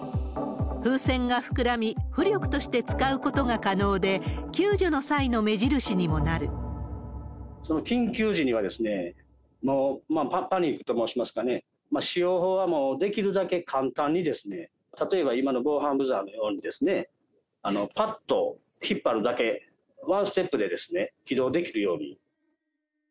風船が膨らみ、浮力として使うことが可能で、緊急時には、パニックと申しますか、使用法は、もうできるだけ簡単に、例えば今の防犯ブザーのように、ぱっと引っ張るだけ、ワンステップで起動できるように。